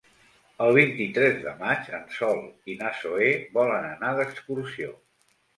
El vint-i-tres de maig en Sol i na Zoè volen anar d'excursió.